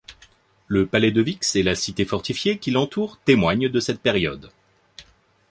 Le Palais de Vix et la cité fortifiée qui l'entoure témoignent de cette période.